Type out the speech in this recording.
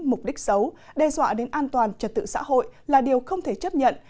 mục đích xấu đe dọa đến an toàn trật tự xã hội là điều không thể chấp nhận